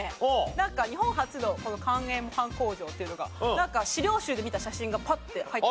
なんか日本初のこの官営模範工場っていうのがなんか資料集で見た写真がパッて入って。